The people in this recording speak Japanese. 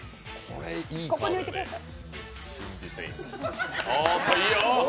ここに置いてください。